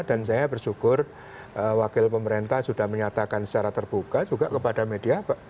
dan saya bersyukur wakil pemerintah sudah menyatakan secara terbuka juga kepada media